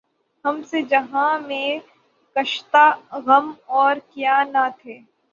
ہم سے جہاں میں کشتۂ غم اور کیا نہ تھے